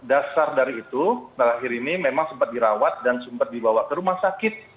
dasar dari itu terakhir ini memang sempat dirawat dan sempat dibawa ke rumah sakit